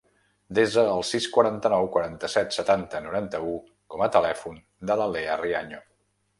Desa el sis, quaranta-nou, quaranta-set, setanta, noranta-u com a telèfon de la Leah Riaño.